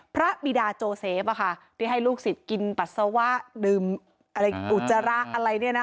บิดาโจเซฟที่ให้ลูกศิษย์กินปัสสาวะดื่มอะไรอุจจาระอะไรเนี่ยนะ